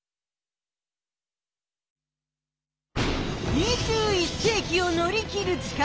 ２１世きを乗り切る力。